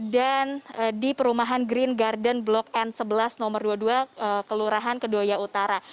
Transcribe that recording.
dan di perumahan green garden blok n sebelas nomor dua puluh dua kelurahan kedoya utara